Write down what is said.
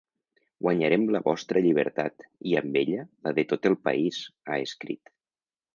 Guanyarem la vostra llibertat, i amb ella, la de tot el país, ha escrit.